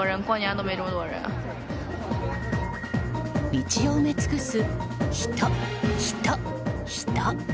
道を埋め尽くす人、人、人。